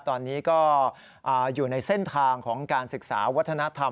ตอนนี้ก็อยู่ในเส้นทางของการศึกษาวัฒนธรรม